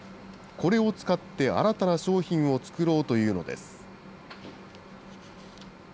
これを使って、新たな商品を作ろうというのです。